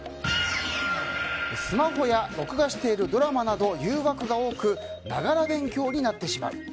スマホや録画しているドラマなど誘惑が多くながら勉強になってしまう。